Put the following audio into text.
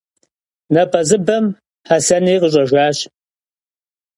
Nap'ezıp'em Hesenri khış'ejjaş.